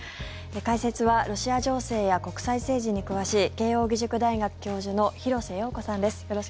解説はロシア情勢や国際政治に詳しい慶應義塾大学教授の廣瀬陽子さんです。